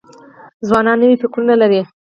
ځوانان نوي فکرونه لري.